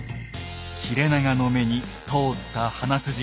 切れ長の目に通った鼻筋。